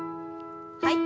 はい。